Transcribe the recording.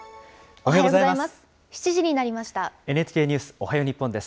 おはようございます。